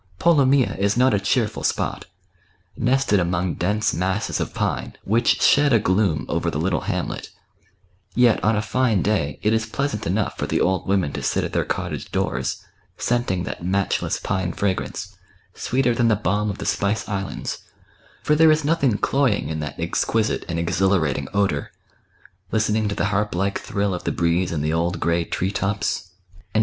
Polomyja is not a cheerful spot — nested among dense masses of pine, which shed a gloom over the little hamlet; yet, on a fine day, it is pleasant enough for the old women to sit at their cottage doors, scenting that matchless pine fragrance, sweeter than the balm of the Spice Islands, for there is nothing cloying in that exquisite and exhilarating odour ; listening to the harp like thrill of the breeze in the old grey tree tops, and A GAUCIAN WERE WOLF.